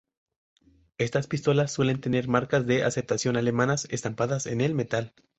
Estas pistolas suelen tener marcas de aceptación alemanas estampadas en el metal.